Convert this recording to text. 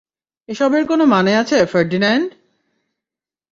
এসবের কোনো মানে আছে, ফার্দিন্যান্দ?